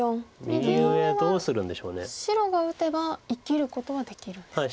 右上は白が打てば生きることはできるんですか。